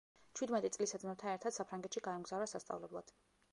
ჩვიდმეტი წლისა ძმებთან ერთად საფრანგეთში გაემგზავრა სასწავლებლად.